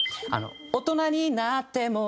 「大人になっても」